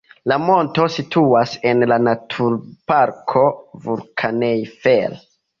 La monto situas en la Naturparko Vulkaneifel.